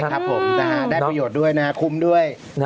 ครับผมนะฮะได้ประโยชน์ด้วยนะฮะคุ้มด้วย